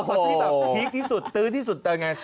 คนที่พีคที่สุดตื้อที่สุดตื้อยังไง